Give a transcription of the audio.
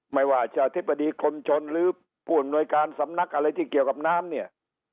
ไม่ว่าจะอธิบดีคนชนหรือผู้อำนวยการสำนักอะไรที่เกี่ยวกับน้ำเนี่ย